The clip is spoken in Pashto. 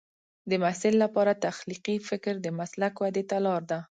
د محصل لپاره تخلیقي فکر د مسلک ودې ته لار ده.